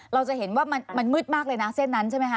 เราจะเห็นว่ามันมืดมากเลยนะเส้นนั้นใช่ไหมคะ